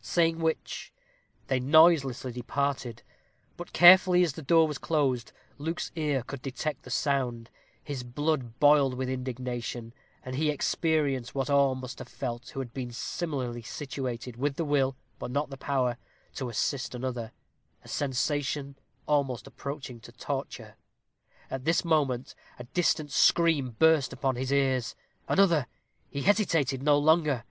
Saying which, they noiselessly departed. But carefully as the door was closed, Luke's ear could detect the sound. His blood boiled with indignation; and he experienced what all must have felt who have been similarly situated, with the will, but not the power, to assist another a sensation almost approaching to torture. At this moment a distant scream burst upon his ears another he hesitated no longer.